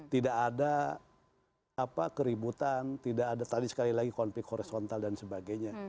tidak ada keributan tidak ada tadi sekali lagi konflik horizontal dan sebagainya